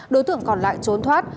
đối tượng còn lại trốn thoát